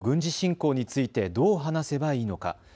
子どもと軍事侵攻についてどう話せばいいのか？